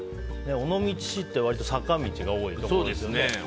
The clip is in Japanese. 尾道市って割と坂道が多いですよね。